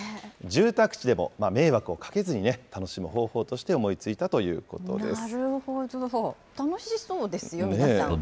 住宅地でも迷惑をかけずに楽しむ方法として思いついたということです。